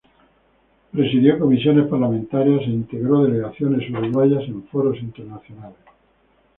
Presidió comisiones parlamentarias e integró delegaciones uruguayas en foros internacionales.